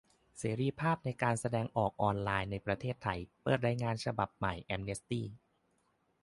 เสรีภาพในการแสดงออกออนไลน์ในประเทศไทย เปิดรายงานฉบับใหม่แอมเนสตี้